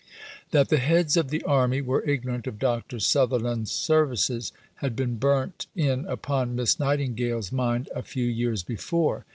That the heads of the Army were ignorant of Dr. Sutherland's services, had been burnt in upon Miss Nightingale's mind a few years before.